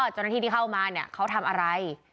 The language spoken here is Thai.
อ๋อจนที่เข้ามาเขาทำอะไร